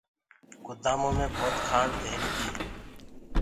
گُدآمآ مي جبرآ انگو مي کآنڊ دهيري تي۔